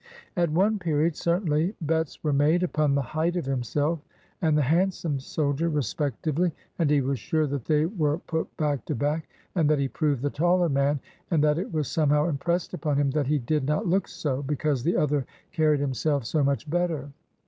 At one period, certainly, bets were made upon the height of himself and the handsome soldier, respectively, and he was sure that they were put back to back, and that he proved the taller man; and that it was somehow impressed upon him that he did not look so, because the other carried himself so much better.